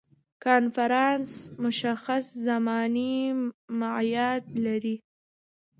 کنفرانس مشخص زماني معیاد لري.